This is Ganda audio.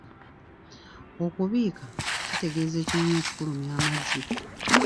Okubiika kitegeeza ekinyonyi okufulumya eggi.